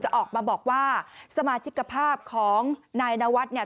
จะออกมาบอกว่าสมาชิกภาพของนายนวัตต์